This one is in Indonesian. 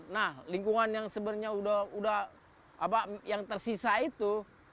nah lingkungan yang sebenarnya udah apa yang tersisa itu